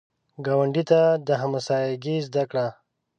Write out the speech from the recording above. ګاونډي ته همسایګي زده کړه